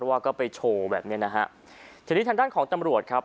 ว่าก็ไปโชว์แบบเนี้ยนะฮะทีนี้ทางด้านของตำรวจครับ